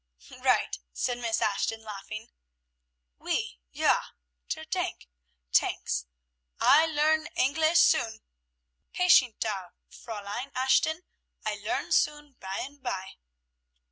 "Right," said Miss Ashton, laughing. "Oui, Ja! Der Dank! Tanks. I learn Anglais soon. Patientia, Fräulein Ashton. I learn soon, by un by."